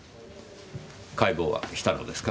解剖はしたのですか？